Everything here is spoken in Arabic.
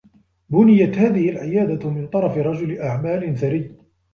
بُنيت هذه العيادة من طرف رجل أعمال ثري.